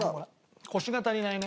コシが足りないね。